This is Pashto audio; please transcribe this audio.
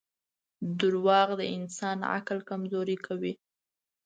• دروغ د انسان عقل کمزوری کوي.